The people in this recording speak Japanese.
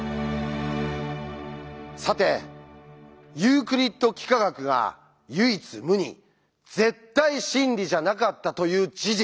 さてユークリッド幾何学が唯一無二絶対真理じゃなかったという事実。